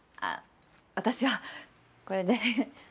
私はこれで。